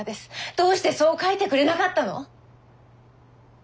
どうしてそう書いてくれなかったの？